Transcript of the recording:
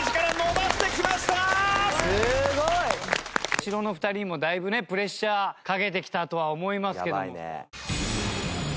後ろの２人にもだいぶねプレッシャーかけてきたとは思いますけども。